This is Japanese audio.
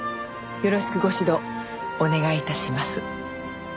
よろしくご指導お願い致します。